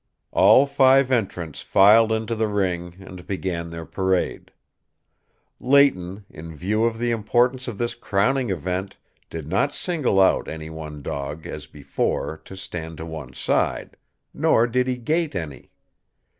All five entrants filed into the ring and began their parade. Leighton, in view of the importance of this crowning event, did not single out any one dog, as before, to stand to one side; nor did he gate any.